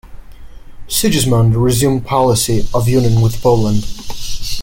Sigismund resumed policy of union with Poland.